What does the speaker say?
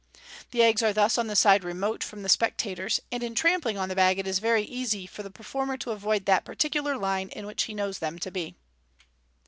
The eggs are thus on the side remote from the spectators, and in trampling on the bag it is very easy for the performer to avoid the particular line in which he knows them to be.